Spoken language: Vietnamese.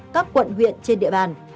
các quận huyện trên địa bàn